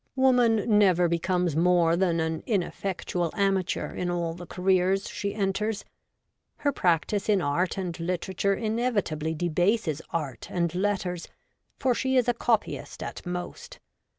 Woman never becomes more than an ineffectual amateur in all the careers she enters. Her practice in art and literature inevitably debases art and letters, for she is a copyist at most.